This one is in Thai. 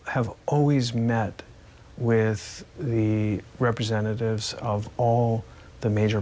ทุกคนลักษณะมีจากไทยข้อมุมถูกทำอีก